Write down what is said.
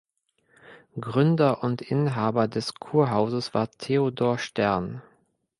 Gründer und Inhaber des Kurhauses war Theodor Stern.